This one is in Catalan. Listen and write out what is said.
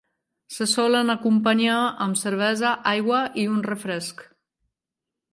Se solen acompanyar amb cervesa, aigua o un refresc.